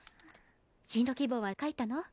進路希望は書いたの？